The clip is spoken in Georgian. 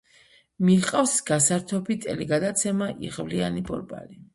მიჰყავს გასართობი ტელეგადაცემა „იღბლიანი ბორბალი“.